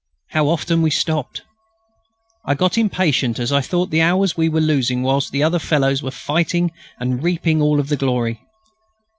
How often we stopped! I got impatient as I thought of the hours we were losing whilst the other fellows were fighting and reaping all the glory.